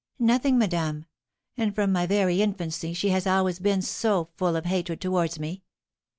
"Nothing, madame; and from my very infancy she had always been so full of hatred towards me.